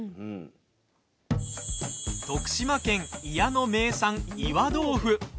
徳島県祖谷の名産岩豆腐。